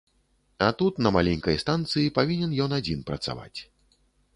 А тут, на маленькай станцыі, павінен ён адзін працаваць.